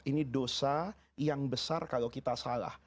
ini dosa yang besar kalau kita salah